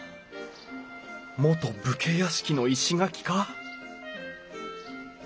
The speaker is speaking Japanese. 元武家屋敷の石垣か？